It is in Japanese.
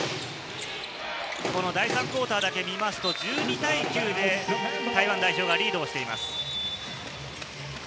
第３クオーターだけ見ますと、１２対９で台湾代表がリードしています。